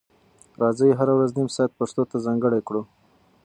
راځئ هره ورځ نیم ساعت پښتو ته ځانګړی کړو.